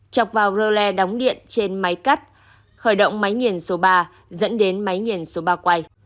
chọc vào rơ le đóng điện trên máy cắt khởi động máy nghiền số ba dẫn đến máy nghiền số ba quay